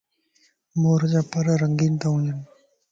مورَ جا پرَ رنگين تا ھونجن